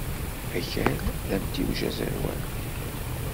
Akal d amtiweg aẓerwal.